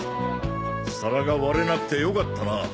皿が割れなくてよかったな。